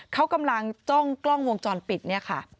เขากำลังจ้องกล้องวงจรปิดเนี่ยค่ะ